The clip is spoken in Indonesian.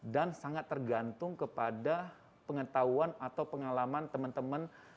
dan sangat tergantung kepada pengetahuan atau pengalaman teman teman